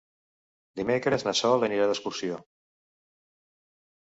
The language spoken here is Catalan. Dimecres na Sol anirà d'excursió.